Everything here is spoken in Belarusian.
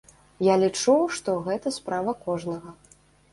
Я лічу, што гэта справа кожнага.